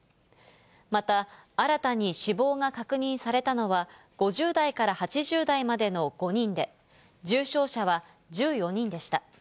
また、新たに死亡が確認されたのは、５０代から８０代までの５人で、重症者は１４人でした。